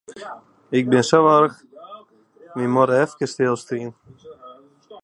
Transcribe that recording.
Ik bin sa warch, wy moatte efkes stilstean.